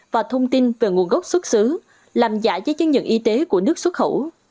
và thông tin về nguồn gốc xuất xứ làm giả giấy chứng nhận y tế của nước xuất khẩu